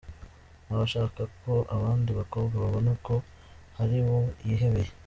Ntaba ashaka ko abandi bakobwa babona ko hari uwo yihebeye.